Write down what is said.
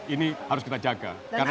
ini harus kita jaga dan arahnya